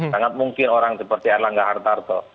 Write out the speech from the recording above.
sangat mungkin orang seperti erlangga hartarto